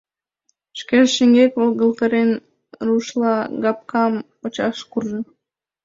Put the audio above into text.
Шкеже, шеҥгек волгалтарен, рушлагапкам почаш куржо.